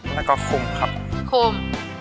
แล้วก็คุ่มครับคุ่ม